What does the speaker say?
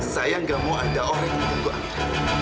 saya enggak mau ada orang yang ganggu amira